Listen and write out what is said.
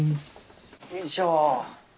よいしょ。